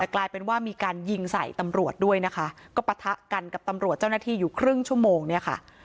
แต่กลายเป็นว่ามีการยิงใส่ตำรวจด้วยนะคะก็ปะทะกันกับตำรวจเจ้าหน้าที่อยู่ครึ่งชั่วโมงเนี่ยค่ะ